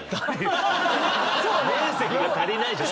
面積が足りないじゃない！